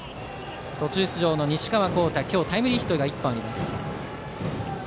途中出場の西川煌太今日タイムリーヒットが１本。